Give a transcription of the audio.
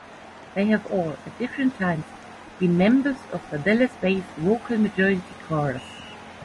They have all, at different times, been members of the Dallas-based Vocal Majority chorus.